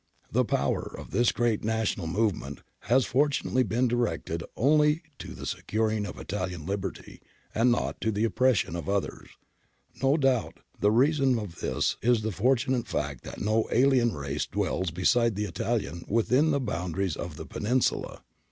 The power of this great national movement has fortunately been directed only to the securing of Italian liberty, and not to the oppression of others. No doubt the reason of this is the fortunate fact that no alien race dwells beside the Italian within the boundaries of the Peninsula.